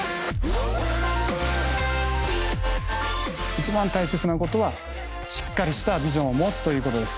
一番大切なことはしっかりしたビジョンを持つということです。